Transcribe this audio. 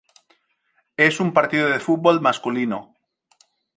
Es un partido de fútbol masculino.